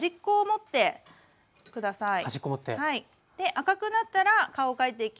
赤くなったら顔を描いていきます。